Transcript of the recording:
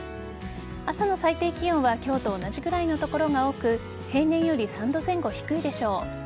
朝の最低気温は今日と同じくらいの所が多く平年より３度前後低いでしょう。